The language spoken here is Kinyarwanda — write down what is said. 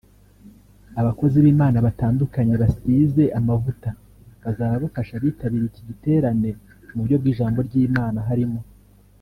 Abakozi b’Imana batandukanye basize amavuta bazaba bafasha abitabiriye iki giterane mu buryo bw’ijambo ry’Imana harimo